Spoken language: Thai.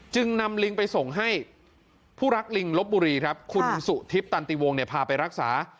จึงนำลิงไปส่งให้ผู้รักลิงลบบุรีครับคุณสุทิพย์ตันติวงพาไปรักษา